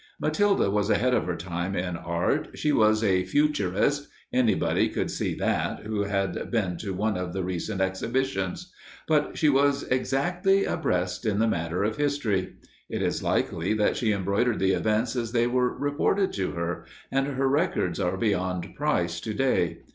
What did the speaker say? Matilda was ahead of her time in art. She was a futurist anybody could see that who had been to one of the recent exhibitions. But she was exactly abreast in the matter of history. It is likely that she embroidered the events as they were reported to her, and her records are beyond price to day.